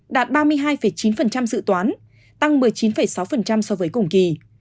đạt ba mươi hai chín dự toán tăng một mươi chín sáu so với cùng kỳ